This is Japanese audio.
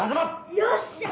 よっしゃ！